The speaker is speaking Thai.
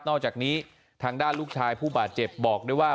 อกจากนี้ทางด้านลูกชายผู้บาดเจ็บบอกด้วยว่า